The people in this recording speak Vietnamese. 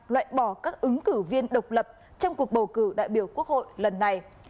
loại bỏ các ứng cử viên độc lập trong cuộc bầu cử đại biểu quốc hội lần này